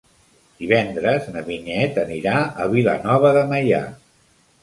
Divendres na Vinyet anirà a Vilanova de Meià.